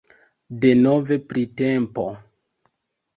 Denove printempo!..